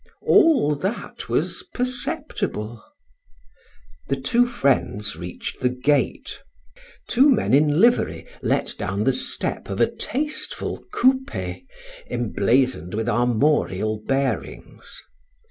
All that was perceptible. The two friends reached the gate. Two men in livery let down the step of a tasteful coupe emblazoned with armorial bearings.